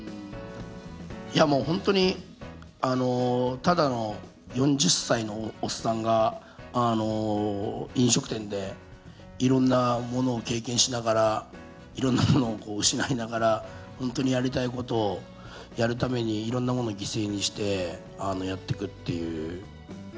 いやもう、本当にただの４０歳のおっさんが、飲食店でいろんなものを経験しながら、いろんなものを失いながら、本当にやりたいことをやるために、いろんなものを犠牲にしてやってくっていう。